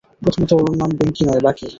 প্রথমত, ওর নাম বিঙ্কি নয়, বাকি।